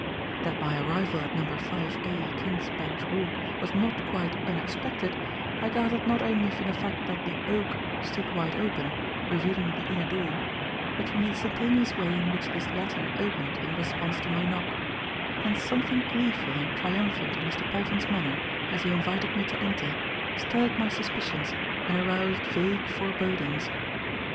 That my arrival at number 5A, King's Bench Walk was not quite unexpected I gathered not only from the fact that the "oak" stood wide open, revealing the inner door, but from the instantaneous way in which this latter opened in response to my knock; and something gleeful and triumphant in Mr. Polton's manner as he invited me to enter, stirred my suspicions and aroused vague forebodings.